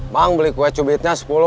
bang beli kue cubitnya sepuluh